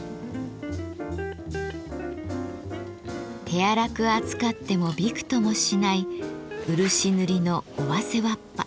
手荒く扱ってもびくともしない漆塗りの尾鷲わっぱ。